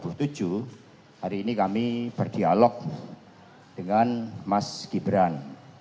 hari ini kami berdialog dengan mas gibran